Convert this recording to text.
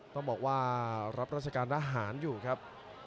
ต้องบอกว่ารับราชการทหารอยู่ครับ